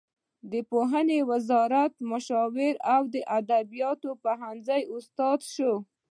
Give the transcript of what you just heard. د پوهنې وزارت مشاور او د ادبیاتو پوهنځي استاد شو.